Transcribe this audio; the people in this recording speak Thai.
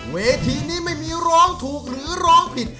เวทีนี้ไม่มีร้องถูกหรือร้องผิด